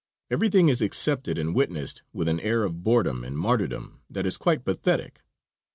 Everything is accepted and witnessed with an air of boredom and martyrdom that is quite pathetic.